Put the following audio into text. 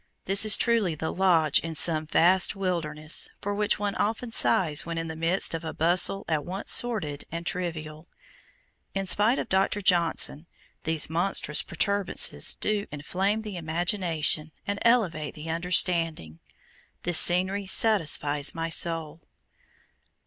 This is truly the "lodge in some vast wilderness" for which one often sighs when in the midst of "a bustle at once sordid and trivial." In spite of Dr. Johnson, these "monstrous protuberances" do "inflame the imagination and elevate the understanding." This scenery satisfies my soul.